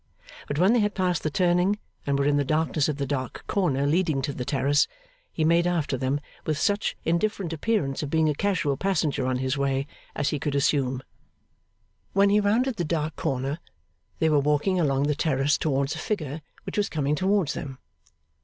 But when they had passed the turning and were in the darkness of the dark corner leading to the terrace, he made after them with such indifferent appearance of being a casual passenger on his way, as he could assume. When he rounded the dark corner, they were walking along the terrace towards a figure which was coming towards them.